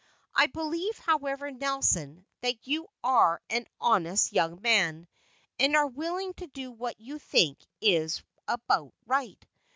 I believe, however, Nelson, that you are an honest young man, and are willing to do what you think is about right.